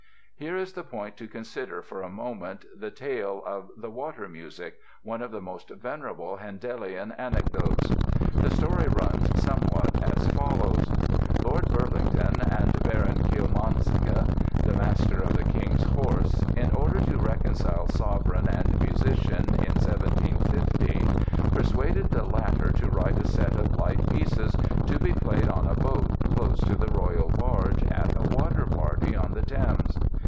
Here is the point to consider for a moment the tale of the "Water Music", one of the most venerable Handelian anecdotes. The story runs somewhat as follows: Lord Burlington and Baron Kielmansegge, the Master of the King's Horse, in order to reconcile sovereign and musician, in 1715 persuaded the latter to write a set of light pieces to be played on a boat close to the royal barge at a water party on the Thames.